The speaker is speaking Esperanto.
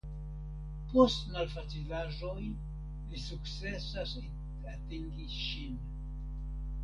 Post malfacilaĵoj li sukcesas atingi ŝin.